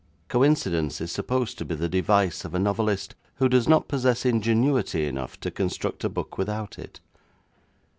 Coincidence is supposed to be the device of a novelist who does not possess ingenuity enough to construct a book without it.